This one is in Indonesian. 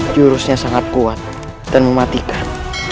jurusnya sangat kuat dan mematikan